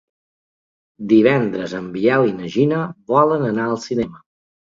Divendres en Biel i na Gina volen anar al cinema.